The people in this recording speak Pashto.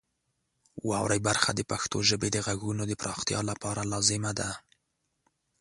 واورئ برخه د پښتو ژبې د غږونو د پراختیا لپاره لازمه ده.